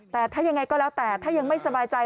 แต่ถ้ายังไงก็แล้วแต่ถ้ายังไม่สบายใจ